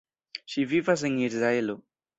Ŝi vivas en Izraelo.